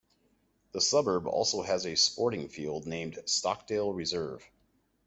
The suburb also has a sporting field named Stockdale Reserve.